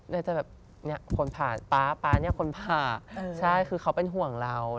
น่าจะแบบเนี่ยคนผ่าป๊าป๊าเนี่ยคนผ่าใช่คือเขาเป็นห่วงเรา